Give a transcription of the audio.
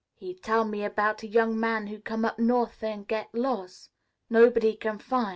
He tell me about a young man who come up north an' get los'. Nobody can fin'.